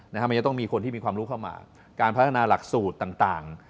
มันจะต้องมีคนที่มีความรู้เข้ามาการพัฒนาหลักสูตรต่าง